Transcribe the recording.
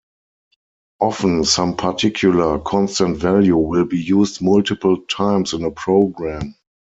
Often some particular constant value will be used multiple times in a program.